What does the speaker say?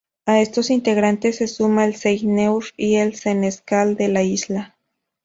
A estos integrantes se suma el Seigneur y el Senescal de la isla.